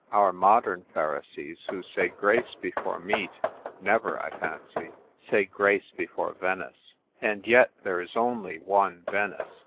Our modern Pharisees, who say grace before meat, never, I fancy, say grace before Venice. And yet there is only one Venice.